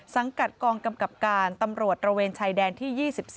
สังกัดกองกำกับการตำรวจตระเวนชายแดนที่๒๔